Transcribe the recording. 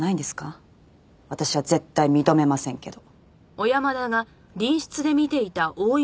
私は絶対認めませんけど。